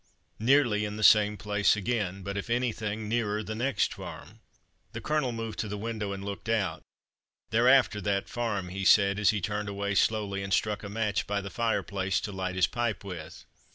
nearly in the same place again, but, if anything, nearer the next farm. The Colonel moved to the window and looked out. "They're after that farm," he said, as he turned away slowly and struck a match by the fireplace to light his pipe with.